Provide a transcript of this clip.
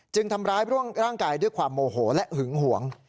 ทำร้ายร่างกายด้วยความโมโหและหึงหวง